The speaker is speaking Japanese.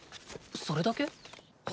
それだけ？